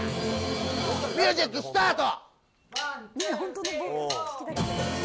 ミュージック、スタート！